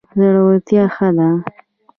زړورتیا ښه ده.